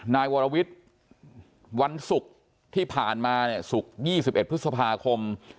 นายวรวิทย์วันศุกร์ที่ผ่านมาเนี่ยศุกร์๒๑พฤษภาคม